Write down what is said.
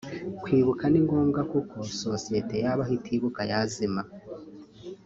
Kwibuka ni ngombwa kuko sosiyete yabaho itibuka yazima